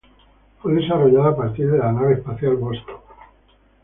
Fue desarrollada a partir de la nave espacial Vostok.